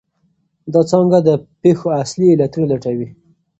دا څانګه د پېښو اصلي علتونه لټوي.